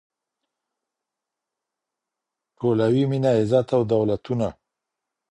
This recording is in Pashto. ټولوي مینه عزت او دولتونه